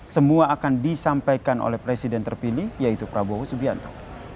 semua akan disampaikan oleh presiden terpilih yaitu prabowo subianto